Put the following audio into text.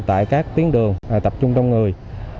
tại các tiến đường tập trung đông người